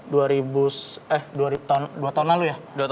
dua ribu eh dua tahun lalu ya